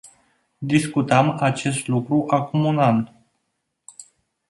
Discutam acest lucru acum un an.